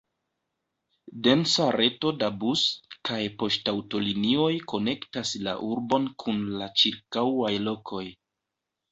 Densa reto da bus- kaj poŝtaŭtolinioj konektas la urbon kun la ĉirkaŭaj lokoj.